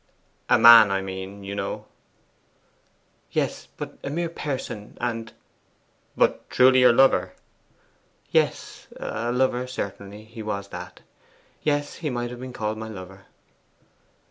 'A man, I mean, you know.' 'Yes; but only a mere person, and ' 'But truly your lover?' 'Yes; a lover certainly he was that. Yes, he might have been called my lover.